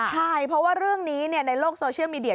ใช่เพราะว่าเรื่องนี้ในโลกโซเชียลมีเดีย